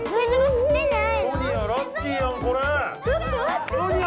ソニアラッキーやんこれ！